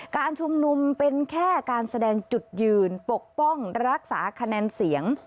การชุมนุมเป็นแค่การแสดงจุดยืนปกป้องรักษาคะแนนเสียง